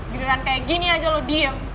giliran kayak gini aja lo diem